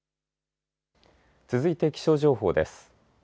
続いて気象情報です。